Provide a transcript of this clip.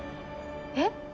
えっ？